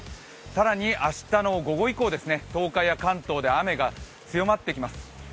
更に、明日の午後以降、東海や関東で雨が強まってきます。